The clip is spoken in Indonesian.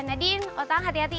nadin otang hati hati ya